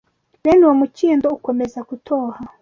Bene uwo mukindo ukomeza gutoha